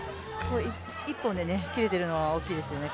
一本で切れてるのは大きいですよね。